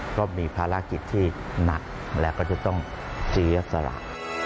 ก็มีภารกิจที่หนักแล้วก็จะต้องเสียสละ